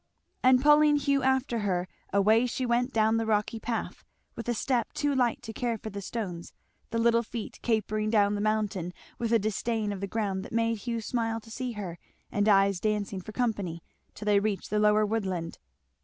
And pulling Hugh after her away she went down the rocky path, with a step too light to care for the stones; the little feet capering down the mountain with a disdain of the ground that made Hugh smile to see her; and eyes dancing for company; till they reached the lower woodland.